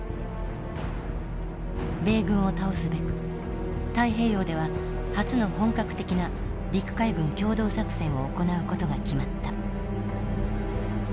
米軍を倒すべく太平洋では初の本格的な陸海軍協同作戦を行うことが決まった。